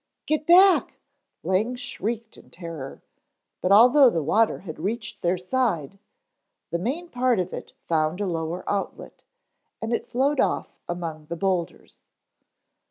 "Get back," Lang shrieked in terror, but although the water had reached their side, the main part of it found a lower outlet, and it flowed off among the boulders.